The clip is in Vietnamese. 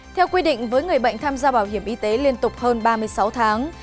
theo quy định với người bệnh tham gia bảo hiểm y tế liên tục hơn ba mươi sáu tháng